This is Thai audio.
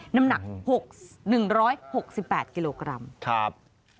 น้ำหนัก๑๖๘กิโลกรัม